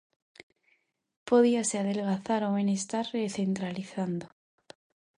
Podíase adelgazar o benestar recentralizando.